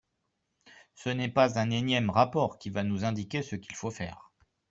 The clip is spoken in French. Ce n’est pas un énième rapport qui va nous indiquer ce qu’il faut faire.